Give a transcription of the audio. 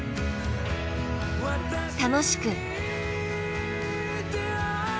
楽しく。